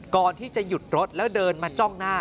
ก่อนที่จะหยุดรถแล้วเดินมาจ้องหน้า